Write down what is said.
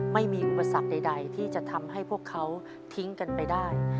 ไม่มีอุปสรรคใดที่จะทำให้พวกเขาทิ้งกันไปได้